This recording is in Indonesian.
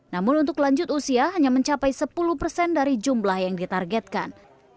namun untuk lanjut usia hanya mencapai sepuluh persen dari jumlah yang ditargetkan